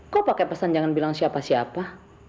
kok pakai pesan jangan bilang siapa siapa